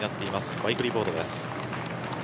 バイクリポートです。